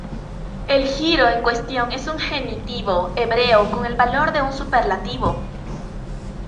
El giro en cuestión es un genitivo hebreo con el valor de un superlativo.